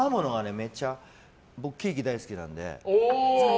僕めっちゃケーキ好きなので。